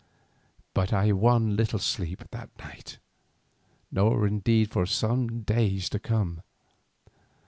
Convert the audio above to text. But I won little sleep that night, nor indeed for some days to come.